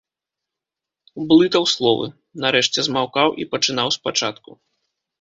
Блытаў словы, нарэшце змаўкаў і пачынаў спачатку.